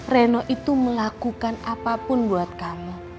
reno itu melakukan apapun buat kami